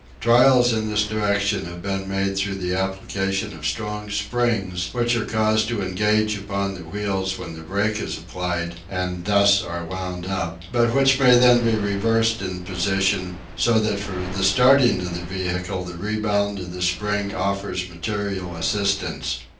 Trials in this direction have been made through the application of strong springs which are caused to engage upon the wheels when the brake is applied, and thus are wound up, but which may then be reversed in position, so that for the starting of the vehicle the rebound of the spring offers material assistance.